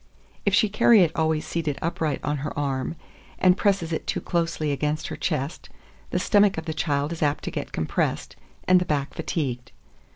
If she carry it always seated upright on her arm, and presses it too closely against her chest, the stomach of the child is apt to get compressed, and the back fatigued.